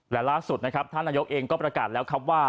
และล่าสุดนะครับท่านนายกเองก็ประกาศแล้วครับว่า